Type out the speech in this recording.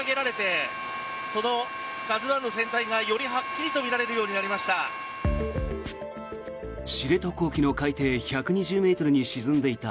ワイヤが巻き上げられてその「ＫＡＺＵ１」の船体がよりはっきりと見られるようになりました。